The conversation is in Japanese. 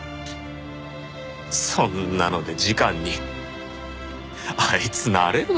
そんなので次官にあいつなれるのかな。